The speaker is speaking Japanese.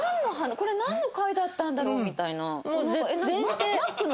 これなんの会だったんだろう？みたいな。